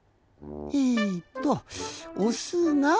えっとおすが。